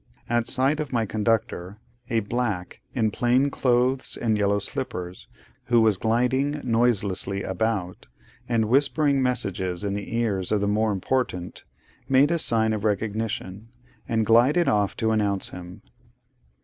At sight of my conductor, a black in plain clothes and yellow slippers who was gliding noiselessly about, and whispering messages in the ears of the more impatient, made a sign of recognition, and glided off to announce him.